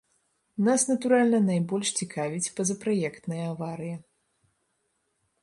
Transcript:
Нас, натуральна, найбольш цікавіць пазапраектная аварыя.